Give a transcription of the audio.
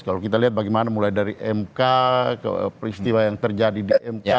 kalau kita lihat bagaimana mulai dari mk peristiwa yang terjadi di mk